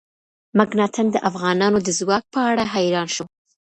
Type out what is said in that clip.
مکناتن د افغانانو د ځواک په اړه حیران شو.